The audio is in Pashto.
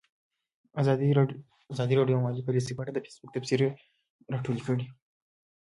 ازادي راډیو د مالي پالیسي په اړه د فیسبوک تبصرې راټولې کړي.